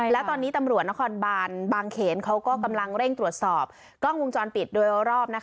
แล้วตอนนี้ตำรวจนครบานบางเขนเขาก็กำลังเร่งตรวจสอบกล้องวงจรปิดโดยรอบ